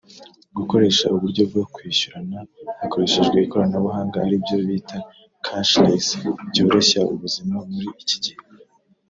gukoresha uburyo bwo kwishyurana hakoreshejwe ikoranabuhanga aribyo bita kashi resi byoroshya ubuzima muri ikigihe